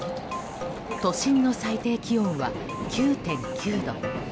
都心の最低気温は９．９度。